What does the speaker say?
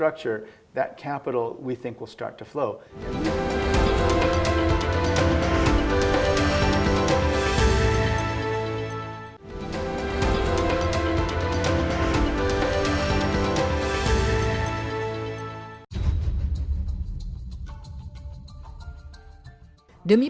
pekerja kesehatan pekerja pendidikan